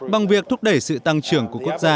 bằng việc thúc đẩy sự tăng trưởng của quốc gia